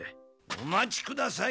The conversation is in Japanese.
お待ちください。